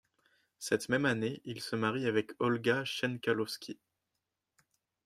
Cette même année, il se marie avec Olga Schenkalowski.